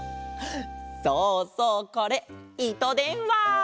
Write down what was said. そうそうこれいとでんわ！